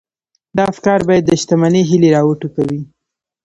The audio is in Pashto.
دا افکار بايد د شتمنۍ هيلې را وټوکوي.